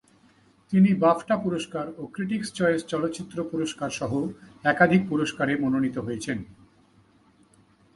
তিনি বাফটা পুরস্কার ও ক্রিটিকস চয়েস চলচ্চিত্র পুরস্কারসহ একাধিক পুরস্কারে মনোনীত হয়েছেন।